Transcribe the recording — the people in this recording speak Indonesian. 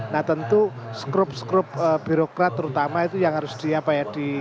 nah tentu skrup skrup birokrat terutama itu yang harus di apa ya